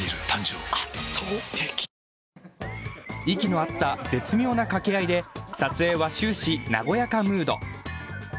息の合った絶妙な掛け合いで撮影は終始、和やかムード。